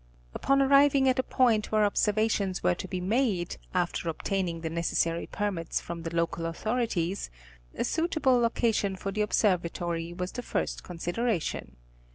Upon arriving at a point where observations were to be made, after obtaining the necessary permits from the local authorities, a suit able location for the observatory was the first consideration.